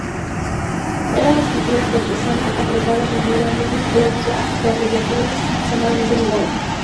Era la escritura cortesana apretada, menuda, no muy pródiga de abreviaturas y extremadamente ligada.